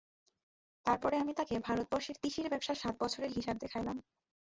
তার পরে আমি তাকে ভারতবর্ষের তিসির ব্যবসার সাত বছরের হিসাব দেখাইলাম।